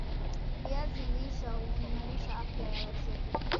Viazi lishe huimarisha afya ya wazee